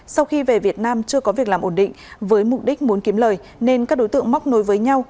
sau khi về việt nam chưa có việc làm ổn định với mục đích muốn kiếm lời nên các đối tượng móc nối với nhau